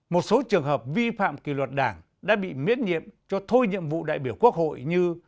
một số trường hợp vi phạm kỳ luật đảng đã bị miễn nhiệm cho thôi nhiệm vụ đại biểu quốc hội như